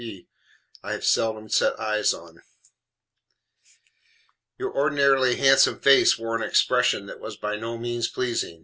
P. I have seldom set eyes on) "your ordinarily handsome face wore an expression that was by no means pleasing.